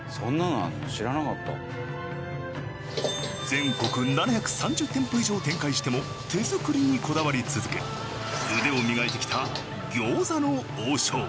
全国７３０店舗以上展開しても手作りにこだわり続け腕を磨いてきた餃子の王将。